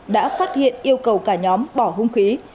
đã phát hiện yêu cầu cả nhóm bỏ hung khí